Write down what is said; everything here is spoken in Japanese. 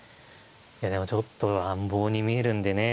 いやでもちょっと乱暴に見えるんでね。